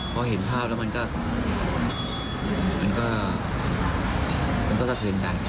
พอเห็นภาพแล้วมันก็มันก็มันก็จะเถินใจ